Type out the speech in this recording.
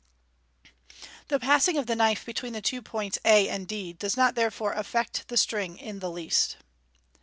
The passing of the knife between the two points a and d does not therefore affect the string in the least.